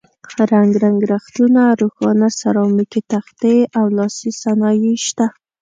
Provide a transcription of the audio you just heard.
رنګ رنګ رختونه، روښانه سرامیکي تختې او لاسي صنایع شته.